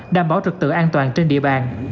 đảm bảo trực tự an toàn trên địa bàn